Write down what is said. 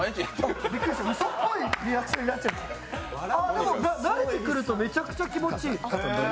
でも慣れてくるとめちゃくちゃ気持ちいい。